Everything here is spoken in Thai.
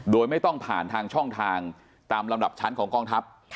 โดยไม่ต้องผ่านทางช่องทางตามลำดับชั้นของกองทัพ